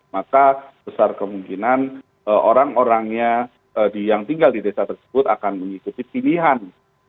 maka besar kemungkinan orang orangnya yang tinggal di desa tersebut akan mengikuti pilihan